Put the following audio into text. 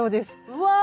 うわ。